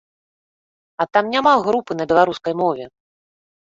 А там няма групы на беларускай мове!